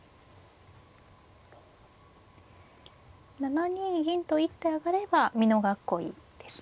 ７二銀と一手上がれば美濃囲いですね。